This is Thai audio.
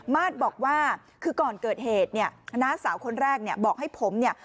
มาสบอกว่าคือก่อนเกิดเหตุเนี่ยน้าสาวคนแรกเนี่ยบอกให้ผมเนี่ย